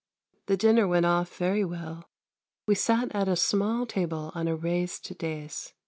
The dinner went off very well. We sat at a small table on a raised dais.